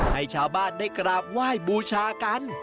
ให้ชาวบ้านได้กราบไหว้บูชากัน